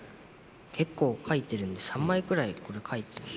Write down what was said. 結構書いてるんで３枚くらいこれ書いてるんです。